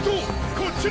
こっちに！